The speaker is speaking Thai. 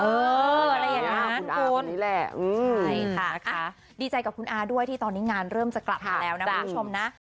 อะไรอย่างนั้นคุณนี่แหละใช่ค่ะนะคะดีใจกับคุณอาด้วยที่ตอนนี้งานเริ่มจะกลับมาแล้วนะคุณผู้ชมนะ